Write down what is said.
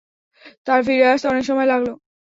তাঁর ফিরে আসতে অনেক সময় লাগল।